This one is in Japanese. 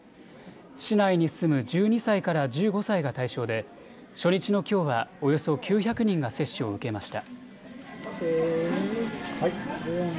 市内に住む１２歳から１５歳が対象で初日のきょうはおよそ９００人が接種を受けました。